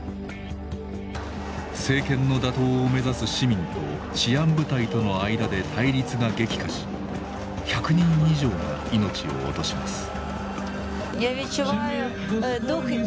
政権の打倒を目指す市民と治安部隊との間で対立が激化し１００人以上が命を落とします。